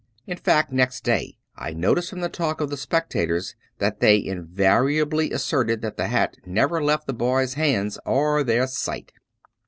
In fact, next day I noticed from the talk of the spectators, that they invariably asserted that the hat never left the boy's hands or their sight.